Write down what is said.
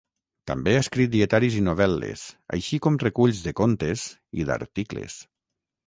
També ha escrit dietaris i novel·les així com reculls de contes i d'articles.